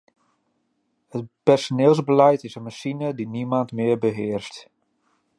Het personeelsbeleid is een machine die niemand meer beheerst.